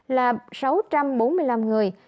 là sáu trăm bốn mươi năm người